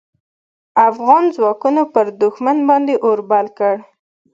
افغان ځواکونو پر دوښمن باندې اور بل کړ.